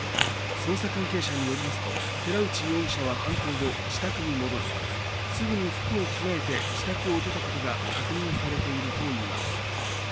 捜査関係者によりますと寺内容疑者は犯行後、自宅に戻りすぐに服を着替えて自宅を出たことが確認されているといいます。